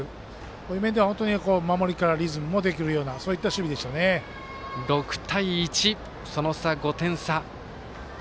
こういう面では本当に守りからリズムもできるような６対１、その差５点差。